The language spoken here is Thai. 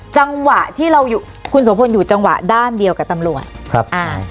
จังหวะที่เราอยู่คุณโสพลอยู่จังหวะด้านเดียวกับตำรวจครับอ่า